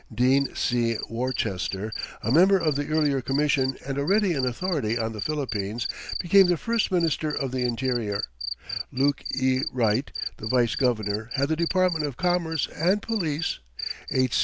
Dean C. Worcester, a member of the earlier Commission and already an authority on the Philippines, became the first Minister of the Interior; Luke E. Wright, the Vice Governor, had the Department of Commerce and Police; H.